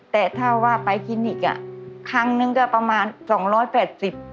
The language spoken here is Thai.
แต่ถ้าว่าไปคลินิกอ่ะครั้งนึงก็ประมาณสองร้อยแปดสิบ